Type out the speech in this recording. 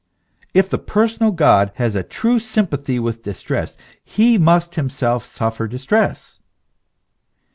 If the personal God has a true sympathy with distress, he must himself suffer distress.